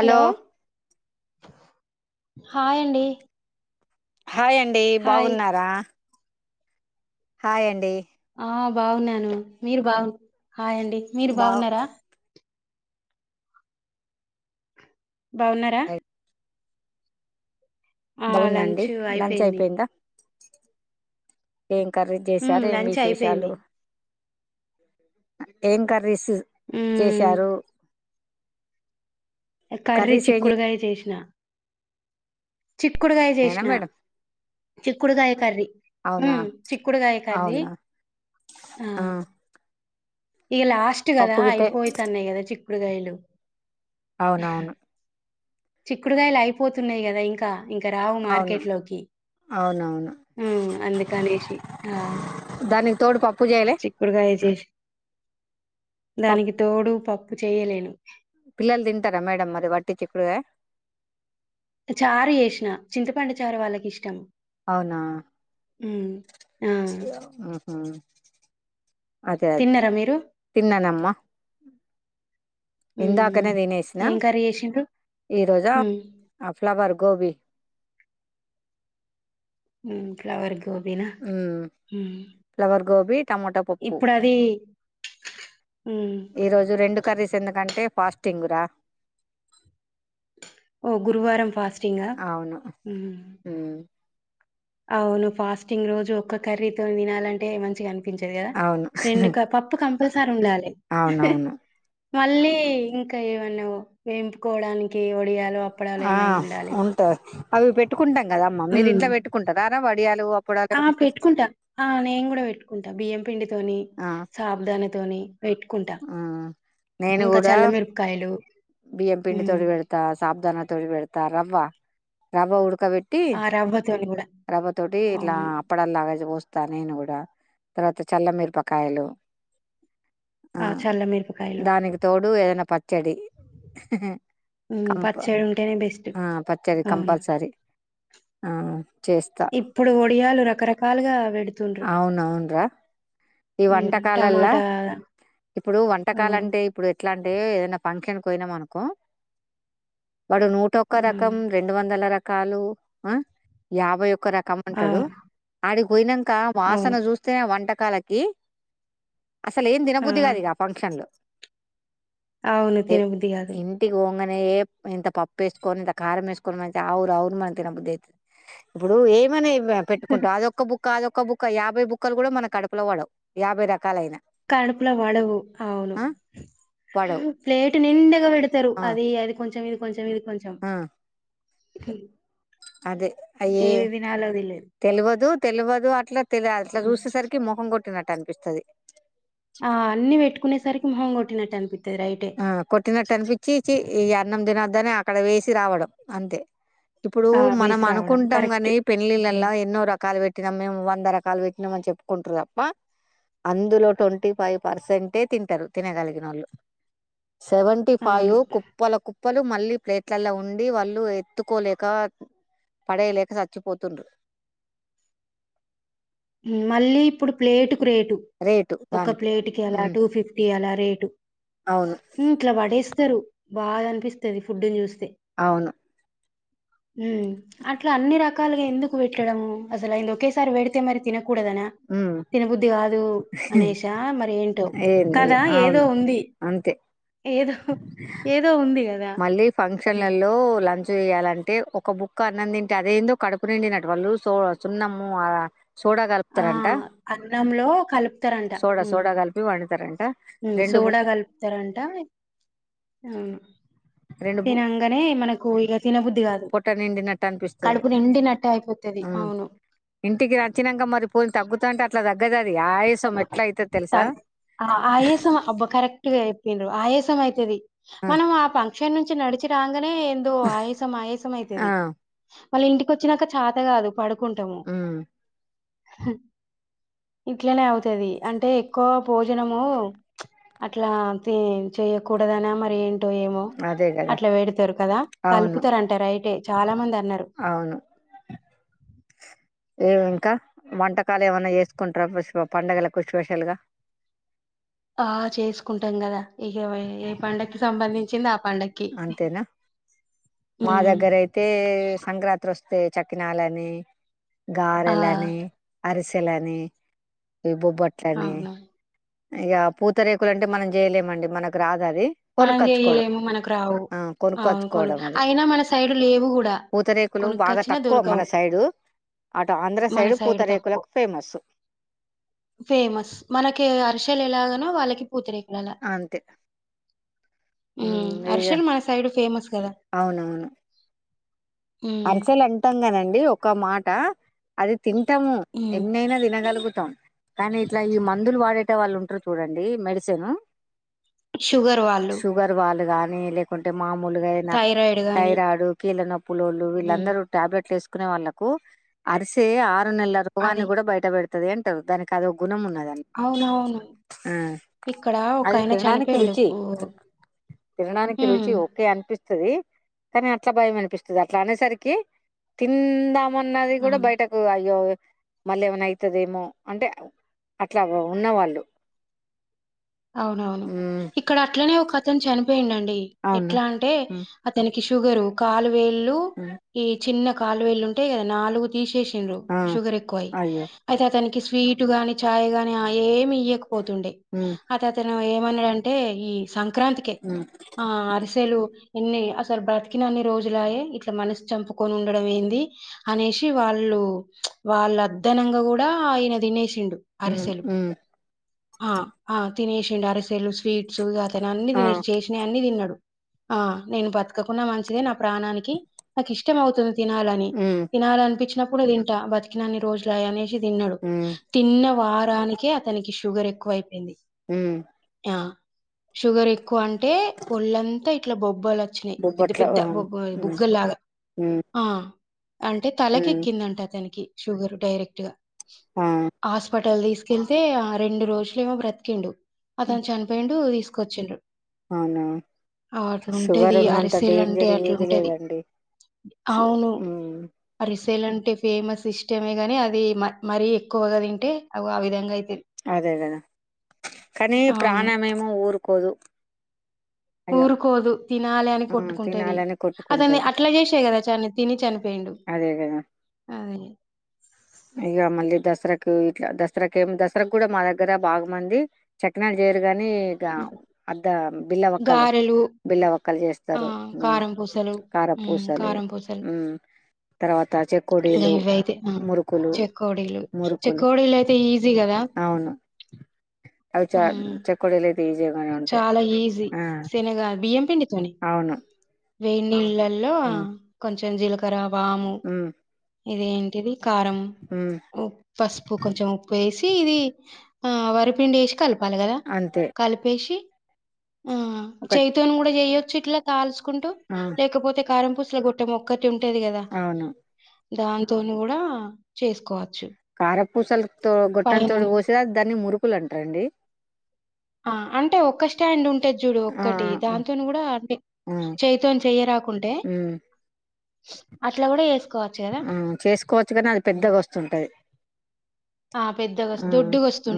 Hello hi అండి hi అండి hi బాగున్నారా హాయ్ అండి ఆ బాగున్నాను మీరు బాగు హాయండి మీరు బాగు బాగున్నారా బావున్నారా బావుందండి లంచ్ లంచ్ అయిపోయింది అయిపోయిందా ఏం కర్రీస్ ఉమ్ చేశారు ఏం లంచ్ విశేషాలు అయిపోయింది ఏం కర్రీస్ ఉమ్ చేశారు కర్రీ కర్రీస్ ఏం చిక్కుడుగాయ చేసినా చిక్కుడుగాయ చేనా చేసిన మేడం చిక్కుడుకాయ కర్రీ ఉ అవునా చిక్కుడుకాయ కర్రీ అవునా ఆ ఇక లాస్ట్ గాదా పప్పు గిట్టే అయిపోయితున్నాయి కదా చిక్కుడుగాయలు అవునవును చిక్కుడుగాయలు అయిపోతున్నాయి కదా ఇంకా ఇంక రావు అవును మార్కెట్లోకి అవునవును హ్ అందుకనేషి ఆ దానికి తోడు పప్పు చేయలే చిక్కుడుకాయ చేసి పప్పు దానికి తోడు పప్పు చేయలేను పిల్లలు తింటారా మేడం మరి వట్టి చిక్కుడుకాయా చారు చేసిన చింతపండు చారు వాళ్ళకి ఇష్టం. అవునా హ్మ్. ఆ! హ్ హ్ అదే అదే తిన్నరా మీరు? తిన్నానమ్మ హ్మ్. హ్మ్. ఇందాకనే తినేసిన ఏం కర్రీ చేసిండ్రు? ఈ రోజు హ్మ్. అ ఫ్లావర్ గోబి హ్ ఫ్లవర్ గో హ్ ఫ్లవర్ గోబి టమాట పప్పు ఇప్పుడది హ్మ్. ఈ రోజు రెండు కర్రీస్ ఎందుకంటే ఫాస్టింగ్ రా ఓ గురువారం ఫాస్టింగా అవును హ్ ఉమ్ అవును ఫాస్టింగ్ రోజు ఒక్క కర్రీతోనీ తినాలంటే మంచిగా అనిపి పించదు కదా అవును రెండు క పప్పు కంపల్సరీ ఉండాలే అవునవును మళ్ళీ ఇంకా ఏమన్నా వేంపుకోవడానికి ఒడియలు ఆ ఉంటా అవి పెట్టుకుంటాం. కదామ్మ మీరు హ్మ్. ఇంట్ల పెట్టుకుంటారరా వాటి ఆ పెట్టుకుంటా ఆ నేను కూడా పెట్టుకుంటా బియ్యం తోనీ ఆ సాబ్దానితోని పెట్టుకుంటా ఆ నేను ఇంకా కూడా చల్ల మిరపకాయలు బియ్యం పిండి తొటి పెడతా సాబు దానా తొటి వెడతా రవ్వ రవ్వ ఉడు డుక పెట్టి ఆ రవ్వతోని కూడా రవ్వ తోటి ఇట్ల అవును అప్పడలాగా పోస్తా నేను కూడా తర్వాత చల్ల మిరపకాయలు ఆ చల్ల మిరపకాయలు దానికి తోడు ఏదైనా పచ్చడి హ్ కంప పచ్చడి ఉంటేనే బెస్ట్ ఆ పచ్చడి అవును కంపల్సరీ ఆ చేస్తా ఇప్పుడు ఒడియాలు రకరకాలుగా పెడు అవునవును రా ఈ ఉమ్ వంటకాలల్ల టమాటా ఇప్పుడు ఆ వంటకాలు అంటే ఇప్పుడు ఎట్లా అంటే ఏదన్నా ఫంక్షన్కు పోయినమనకో వాడు నూట ఒక్క రకం రెండు వందల రకాలు ఆ యాభై ఒ ఒక రకం ఆ అంటాడు ఆడికి పోయినాక వాసన అవును చూస్తేనే వంటకాలు అం టె అసలు ఏం ఆ దినబుద్ధి కాదు ఇగా ఫంక్షన్లో అవును తినబుద్ది గాదు మ ఏం ఇంత పప్పు వేస్కొనీ ఇంత కారం మేస్కొనీ మంటె అవురు అవూరు మనీ తినా బుద్ది అయితది. ఇప్పుడు ఏమనీ హ్ ఆ పెట్టుకుంటావు అదొక్క బుక్కఅదొక్క బుక్క యాభై బుక్కలు కూడా మన కడుపులో పడావు యాభై రకాలైనా కడుపులా పడవు అవును పడవు ప్లేట్ నిండుగా పెడతారు. ఆ అది అది కొంచం ఇది కొం కొంచెం ఇది కొంచెం ఆ అదే ఏది తినాలో తెలీదు. తెలువదు తెలువదు అట్లా తెలి అట్లా చూసేసరికి ముఖం కొట్టినట్టు అనిపిస్తది. ఆ అన్ని పెట్టుకునేసరికి మొహం కొట్టినట్టు అనిపి ఆ కొట్టినట్టు అనిపించి ఈ అన్నం తినొద్దనే అక్కడ వేసి రావడం అంతే ఇప్పుడు ఆ మనం వేసి రావడం అనుకుంటాం కరెక్ట్ కానీ హ్మ్. పెళ్ళిళ్ళలా ఎన్నో రకాలు పెట్టి నం మేము వంద రకాలు పెట్టినామని చెప్పుకుంటారు తప్ప అందులో ట్వంటీ ఫైవ్ పర్సెంటే తింటారు తినగలిగిన వాళ్ళు సెవెంటీ ఫైవ్ అవును కుప్పల కు పలు మళ్ళీ ప్లేట్లలో ఉండి వాళ్ళు ఎత్తుకోలేక పడయలేక చచ్చిపోతున్డ్రు మళ్ళీ ఇప్పుడు ప్లేట్ రేటు రేటు ఒక దానికి ప్లేట్ కి అలా టూ ఫిఫ్టీ అలా రేటు అవును ఇంకా పడేస్తారు బాధ అనిపిస్తది ఫుడ్ చూస్తే అవును అట్లా అన్ని రకాలుగా ఎందుకు పెట్టడము అసలు అయిది ఒకేసారి బేడితే మరి కూడాదనా హ్మ్ తినబుద్ధి కాదు అనేషా మర ఏంటో ఏంది కదా ఏదో అవును ఉంది అంతే ఏదో ఏదో ఉంది కదా మళ్ళీ ఫంక్షన్లలో లంచ్ చేయాలంటే ఒక బుక్ అన్నం తింటే అదే ఏందో కడుపు నిండినటు వాళ్ళు లుసో సున్నాము సోడా ఆ కలుపుతారంట అన్నంలో కలుపుతారంట సోడా ఉమ్ సోడా కలిపి వండుతారంట ఉమ్ రెండు బు సోడా కలుపుతారంట హ్మ్ రెండు బు తినంగానే మనకు తినబుద్ధి కాదు పొట్ట నిండినట్టు అనిపిస్తది కడుపు నిండినట్టే అయిపోతది హ్మ్ అవును ఇంటికి వచ్చినాక మరి పోని తగుతంటే అట్లా తగ్గదది అవేశం తగ ఆయసం అబ్బ కరెక్ట్గా చెప్పిండ్రు ఆయసం అయితది మనం ఆ ఫంక్షన్ నుంచి నడిచి రాగానే ఎందో ఆయాసం ఆయాసం ఆ అయితది మళ్ళ ఇంటికి వచ్చినాక చేత కాదు పడుకుంటాము హ్మ్ ఇట్లనే అవుతది అంటే ఎక్కువ భోజనము అట్లా చేయ్యకూడదనా మరి ఏం టో ఏమో అదే కదా అట్లా వేడతారు కదా అవును కలుపుతారంటారు రైటు చాలా మంది అన్నారు [inaudible] అవును ఉమ్ ఇంకా వంటకాలు ఏమైన్నా చేసుకుంటారా పండుగలకు స్పెషల్ గా ఆ చేసుకుంటాం కదా ఇక ఏ పండగకి సంబంధించింది ఆ పండక్కి అంతేనా మా హ్మ్. దగ్గర అయితే సంక్రాంతి వస్తు తే చకినాలని ఆ గారెలని అరిసెలని ఈ బొబ్బట్లని అవును ఇక పూతరేకులు అంటే మనం చేయలేమండి మనకు రా దధి మనం చేయలేము మనకు రావు అవును కొను కొనుకోచుకోడమే అయినా మన సైడ్ లేవు కూడా పూతరేకులు బాగా కొనుక్కొచ్చినా తక్కువ మన దొరకవు సైడు అటు ఆంధ్ర మన సైడు సైడ్ తక్కువ పూతరేకులకు ఫేమస్ ఫేమస్ మనకి అరిసెలు ఎలాగనో వాళ్ళకి పూతరేకులలా అంతే ఉమ్ అరెసలు మన సైడు ఫేమస్ కదా అవునవును హ్మ్. అరిసెలు అంటాం కనండి ఒక మాట అది తింటాము హ్మ్. ఎన్నైనా తినగలుగు తం కానీ ఇట్లా ఈ మందులు వాడేట వాళ్ళు ఉంటారు చూడండి మెడిసిన్ షుగర్ వాళ్ళు షుగర్ వాళ్ళు గానీ లేకుంటే మామలుగా నా థైరాయిడ్ గాని థైరాయిడ్ కీల నొప్పులోలు ఉమ్ వీళ్ళందరూ టాబ్లె యేసుకునేవాలకు అరిసే ఆరు నెలల రోగాన్ని అది కూడా బయట పెడత ది అంటారు దానికి అద ఒక గుణం ఉన్నది అవునవును ఇక్కడ అది ఒకయన తినడానికి చనిపోయిండు రుచి తినడానికి ఉమ్ రుచి ఓకే అనిపి స్తది కానీ అట్లా భయం అనిపిస్తది అట్లా అనేసరికి తిందాం మన్నది కూడా అవును బయటకు అయ్యే మళ్ళేమన్న అయితదేమో అంటే అట్ల వ ఉన్నవాళ్ళు అవునవును మ్మ్ ఇక్కడ అట్లనే ఒకతను చనిపోయిందండి, అవును ఎట్లా అంటే మ్మ్ అతనిక్ షుగరు కాలువేళ్ళు మ్మ్ ఈ చిన్న కాలువేళ్ళు ఉంటయి గదా నాలుగు త్ తీసేసిండ్రు ఆ షుగర్ ఎక్కువై, అయ్యో అయితే అతనికి స్వీట్ గానీ చాయ్ గానీ ఆ ఏమి ఇయ్యక పోతుండే మ్మ్ అత అతను ఏమన్నడంటే ఈ సంక్రాంతికి కే మ్మ్ ఆ అరిసెలు ఎన్ని అసలు బ్రతికినన్ని రోజులాయే ఇట్లా మనసు చంపుకొని ఉండడం ఏంది అనేసి వాళ్ళు డు వాళ్లు అద్దనంగా గూడా ఈనెల తినేసిండు డు మ్మ్ అరిసెలు మ్మ్ ఆ ఆ తినేసిండరిసెలు స్వి స్వీట్స్ ఇగ అట్లనే అన్ని ఆ తినేస్ చేసినయన్ని తిన్నడు ఆ నేను బతకకున్నా మంచిదే నా ప్రాణానికి నాకిష్టమవుతుంది తినాలని హ్మ్ తినాలనిపిచినప్పుడు తింటా బతికినన్ని రోజులాయే అనేస్ కి తిన్నడు, హ్మ్ తిన్న వారానికే అతనికి షుగర్ ఎక్కువయిపోయింది ఉమ్ ఆ షుగర్ ఎక్కువ అంటే ఒళ్లంతా ఇట్ల బొబ్బలచ్చినయి పెద్ద బొబ్బట్ల ఆ! పెద్ద బొగ హ్మ్ బుగ్గల్లాగ హ్మ్ ఆ అంటే హ్మ్. తలకెక్కిందంట అతనికి షుగరు డైరెక్ట్ గ ఆ! హాస్పట్ టలు తీసుకెళ్తే ఆ రెండు రోజులేమో బ్రతికిండు, అతను చనిపోయిండు దీసుకొచ్చిండ్రు అవునా షుగర్ ఉన్నంత అరిసెలంటే డేంజర్ ఏది అట్లుంటది. లేదండి. శు ఉమ్ సెలంటే ఫేమస్ ఇస్టమే గని అది మ మరీ ఎక్కువగా తింటే అగో ఆ విధంగా అయిత అదే గదా కానీ అవును. ప్రాణమేమో ఊరుకోదు అయ్యో! ఊరుకోదు తినాలె అని హ్మ్. కొట్టుకుంటది, తినాలని అతన్ని కొట్టుకుంటది. అట్ల జేసే గదా చని తిని చనిపోయిండు. అదే గదా! అదే ఇగ మళ్ళీ దసరక్ కు ఇట్ల దసరాకేం దసరాగ్గుడా మా దగ్గర బాగు మంది చకినాల్ జేయరుగన్ నీగా అద్ద బిల్లవక్కలు గారెలు బిల్లవక్ క్కలు ఆ జేస్తరు ఉమ్ కారం పూసలు మ్మ్ కారపూసలు కారం పూసలు ఉమ్ తర్వాత ఇంగ చెకోడీలు, ఇవైతే ఆ మురుకులు చెకోడీలు మురుకులు చెకోడీలు అయితే ఈజీ కదా అవును, అవి చ మ్మ్ చెకోడీలై ఈజీగానే ఉంటయ్ చాలా ఈజీ ఆ శనగ అవును. వేడ్నీళ్ళల్లో ఉమ్ కొంచెం జీలకరా వాము ఉమ్ ఇదేంటిది కారం ఉమ్ ఉ పసుపు, కొంచెం ఉప్పేసి ఇది వరిపిండేషి కలుప్ పాలగదా అంతే కలిపేసి, ఆ ఒక చెయ్తోను గుడా చేయొచ్చు ఇట్ల కాల్చు కుంటూ ఆ లేకపోతే కారం పూసల గొట్టమొక్కటె ఉంటది గదా అవును దాంతోని గూడా చేసుకోవచ్ కారప్పుసలతో గొట్టం తోటి పైనుండి పోసేది దాన్ని మురుకులంటరండి. ఆ అంటే ఒక్క స్టాండ్ ఉంటది జూడు ఆ ఒక్కటి ఆ దాంతోని గూడా అంటే ఆ చేైతోని చెయ్యరాకుంటే ఉమ్ అట్ల గుడా జేస్ ఆ చేసుకోవచ్చు గనీ అది పెద్దగ వస్తుంటది. ఆ పెద్దగస్ ఆ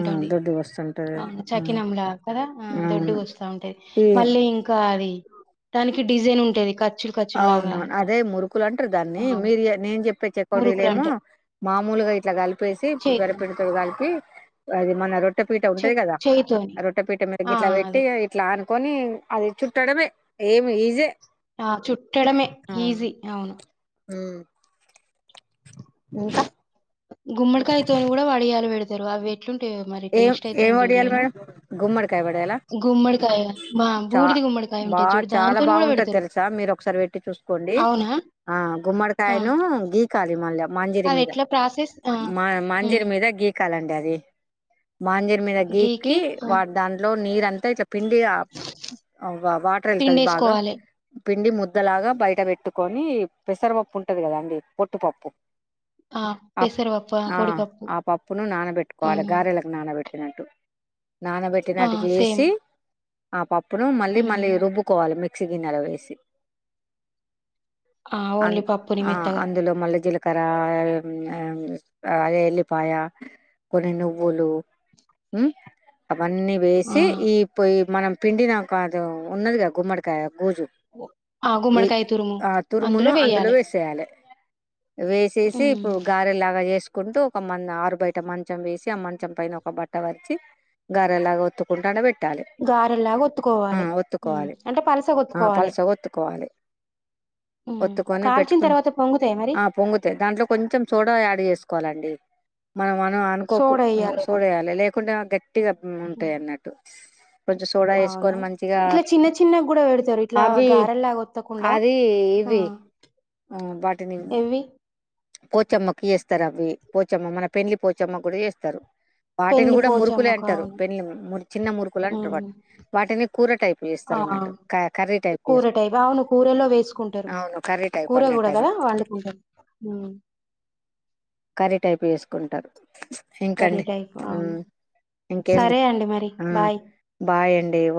ఆ దొడ్డుగా వస్తుంటది ఆ అది చకినంలాగ కదా ఆ దొడ్డుగొస్తావుంటది ఈ మళ్ళీ ఇంకా అది దానికి డిజైన్ ఉంటది కట్ అవునవును అదే మురుకులంటరు దాన్ని, ఆ! మీరు జె నేను జెప్పే చెకోడీలేమొ మురుకులంటారు మామూల్ గొ ఇట్ల గలిపేసి చేయితోని వరపిండితోటి గలిపి అది మన రొట్ ట్టేపీట చె ఉంటది గదా, చేయితోని. ఆ రొట్ట పీట మీద ఆ! గిట్ల పెట్టి అదే. ఇట్లాన్ కొని అది చుట్టడమే ఏమి ఈజే ఆ చుట్టడమే ఈజీ, అవును. హ ఇంకా గుమ్మడికాయతోని కూడా వడియాయలు పెడతారు అవి వే ఏం టేస్ట్ అయితే ఏం నేను వడియాలి చూడలేను మేడం? గుమ్మడికాయ వడియాలా? గుమ్మడికాయ బూ చా ఉమ్మడికాయ ఉంటే బా చుడు చాలా దాంతోని కూడా బావుంటది పెడతారు తెలుసా? మీరు ఒకసారి పెట్టి చూసుకోండి. అవునా ఆ ఆ గుమ్మడికాయను గీ కాలి మళ్ళ మంజరి అది మీద ఎట్లా ప్రాసెస్ ఆ మా ఉమ్, మంజరి మీద గీకాలండి అది మాంజరి మీద గీకి గీక్కి ఆ, వాటి దాంట్లో నీరుంతా చె పిండి వాటర్ అయితధి బాగా పిండేసుకోవాలి పిండి ముద్దలాగా బయట పెట్టుకొని పెసరపప్పు ఉంటది కద అండి పొట్టుపప్పు ఆ ఆ ఆ పప్పును ఆ, నానబెట్టుకోవాలి గారెలకు నానబెట్టినట్టు ఆ, నానబెట్టినట్టు సేమ్ చేసి ఆ పప్పు ఇప్పుడు మళ్ళీ మళ్ళీ ఉమ్, రుబ్బుకోవాలి మిక్సీ గిన్నెలో వేసి ఆ, అ ఓన్లీ పప్పుని మెత్తగా అందులో మల్ల జిల్లా క్కర అలి పయ కొనేను పువులు అవన్నీ ఆ, వేసి ఈ పోయి మనం పిండి నాకు అది ఉన్నదిగా గుమ్మడికాయ గోజు ఆ, ఈ గుమ్మడికాయ తురుము ఆ తురుమును అందులో వేయాలి వేసేయాలి వేసేసి ఉమ్, ఇప్పుడు గారెలాగా చేేసుకుంటూ ఒక మ ఆరు బయట మంచం వేసి అమంచం పైన ఒక బట్ట వరిచి గరెలాగా ఒత్తుకుంటానే పెట్ ట్టాల గారెల్లాగా ఒత్తుకోవాలి ఉమ్, ఒత్తుకోవాలి అంటే పలసగా ఆ ఒత్తుకోవాలి పలస ఒత్తుకోవాలి ఉమ్, ఒత్తుకొని కాల్చిన పెట్టుకు తర్వాత పొంగుతాయి మరి ఆ పొంగతే దాంట్లో కొంచెం సోడా యాడ్ చేసుకోవాలండి మనం మనం అనుకోకు సోడా వేయాలి చూడయాలి లేకుంటే గట్టిగా ఉమ్, ఉంటాయి అన్నట్టు కొంచెం సోడా అవునా వేసుకోవాలి మంచిగా ఇట్లా చిన్న చిన్న కూడా పెడతారు ఇట్లా అవి గారెల్లాగా ఒత్తకుండా అది ఆ [unintelligible] బటిని ఎవ్వి పోచమ్మకి చేస్తారు అవి పోచమ్మ మన పెళ్లి పోచమ్మ కూడా చేస్తారు వాటిని పెండ్లి కూడా మురుకులే పోచమ్మకు అంటారు అవును పెని చిన్న మురుకులు అంటారు ఉమ్ వాటి వాటిని కూర టైప్ ఆ చేస్తారు అన్నట్టు కర్రీ టైప్ చే కూర టైప్ అవును కూరలో వేసుకుంటారు అవును కర్రీ [unintelligible] హ కర్రీ టైపు వేసుకుంటారు కర్రీ ఇంకండి టైప్ అవును ఇంకేం సరే అండి మరి విషయం బాయ్ బాయండి